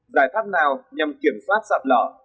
giải pháp nào nhằm kiểm soát sạt lở